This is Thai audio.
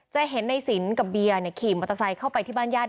จะเห็นในสินกับเบียร์ขี่มอเตอร์ไซค์เข้าไปที่บ้านญาติ